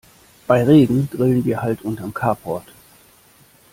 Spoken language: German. Bei Regen grillen wir halt unterm Carport.